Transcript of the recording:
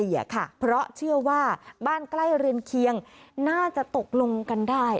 เพราะเชื่อว่าบ้านใกล้เรือนเคียงน่าจะตกลงกันได้